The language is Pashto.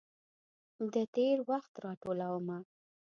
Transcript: د تیروخت راټولومه